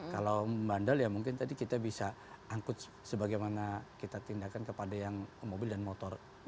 kalau membandel ya mungkin tadi kita bisa angkut sebagaimana kita tindakan kepada yang mobil dan motor